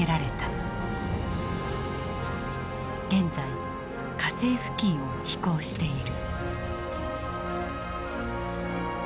現在火星付近を飛行している。